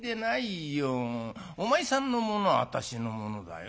お前さんのものは私のものだよ